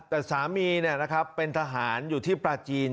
แต่สามีเนี่ยนะครับเป็นทหารอยู่ที่ปลาจีน